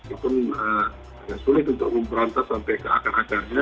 itu agak sulit untuk memberontas sampai ke akar akarnya